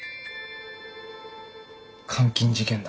監禁事件だ。